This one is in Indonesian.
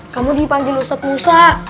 kamu di panggil ustadz musa